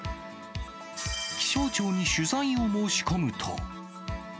気象庁に取材を申し込むと。